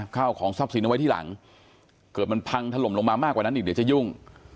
ข้าวของทรัพย์สินเอาไว้ที่หลังเกิดมันพังถล่มลงมามากกว่านั้นอีกเดี๋ยวจะยุ่ง